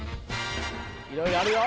いろいろあるよ